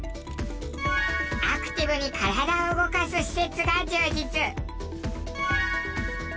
アクティブに体を動かす施設が充実。